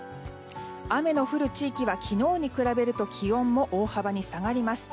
雨の降る地域は昨日に比べると気温も大幅に下がります。